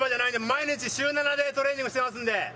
毎日週７でトレーニングしてますんで。